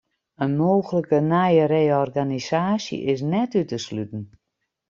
In mooglike nije reorganisaasje is net út te sluten.